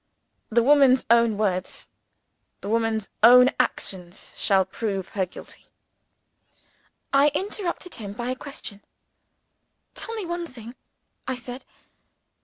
"The woman's own words, the woman's own actions, shall prove her guilty." I interrupted him by a question. "Tell me one thing," I said.